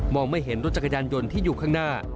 ไม่เห็นรถจักรยานยนต์ที่อยู่ข้างหน้า